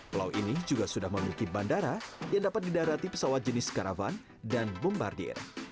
pulau ini juga sudah memiliki bandara yang dapat didarati pesawat jenis karavan dan bombardir